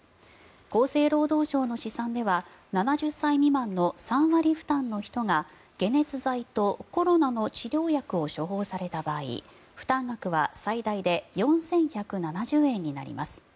厚生労働省の試算では７０歳未満の３割負担の人が解熱剤とコロナの治療薬を処方された場合負担額は最大で４１７０円になります。